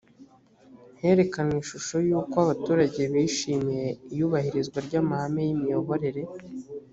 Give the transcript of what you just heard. herekanywe ishusho yuko abaturage bishimiye iyubahirizwa ry ‘amahame y ‘imiyoborere.